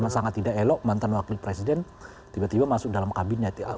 sangat tidak elok mantan wakil presiden tiba tiba masuk dalam kabinet